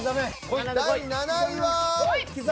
第７位は。